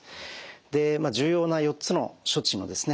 重要な４つの処置のですね